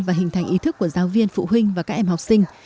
và hình thành ý thức của giáo viên phụ huynh và các em học sinh